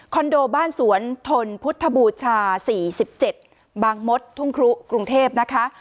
โดบ้านสวนทนพุทธบูชา๔๗บางมดทุ่งครุกรุงเทพนะคะ